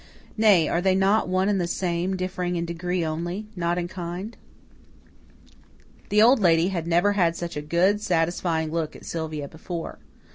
Nay, are they not one and the same, differing in degree only, not in kind? The Old Lady had never had such a good, satisfying look at Sylvia before.